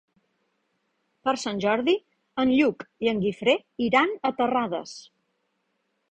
Per Sant Jordi en Lluc i en Guifré iran a Terrades.